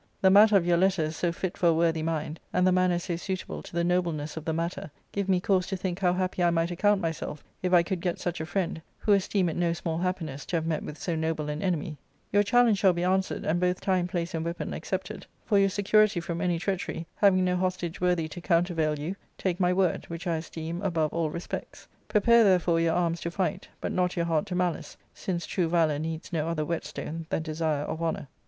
The matter of your letters so fit for a worthy mind, and the manner so suitable to the nobleness of the matter, give me cause to think how happy I might account myself if I could get such a friend, who esteem it no small happiness to have met with so noble an enemy. Your challenge shall be answered, and both time, place, and weapon accepted. For your security from any treachery, having no hostage worthy to countervail you, take my word, which I esteem above all respects. Prepare therefore your arms to fight, but not your heart to malice, since true valour needs no other whetstone than desire of honour."